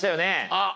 あっ！